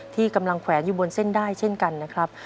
ที่กำลังแขวนอยู่บนเส้นได้เช่นกันนะครับ